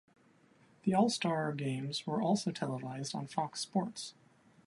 The All-Star games were also televised on Fox Sports.